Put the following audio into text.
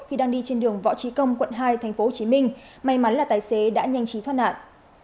khi đang đi trên đường võ trí công quận hai tp hcm may mắn là tài xế đã nhanh chí thoát nạn